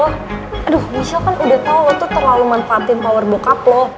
aduh michelle kan udah tau lo tuh terlalu manfaatin power bokap lo